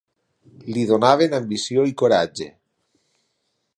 Li donaven ambició i coratge